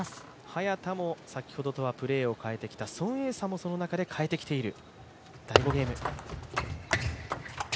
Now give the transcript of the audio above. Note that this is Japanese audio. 早田も先ほどからプレーを変えてきた、孫エイ莎もその中で変えてきている。